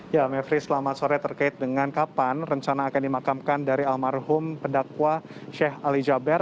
ya mevri selamat sore terkait dengan kapan rencana akan dimakamkan dari almarhum pedakwa sheikh ali jaber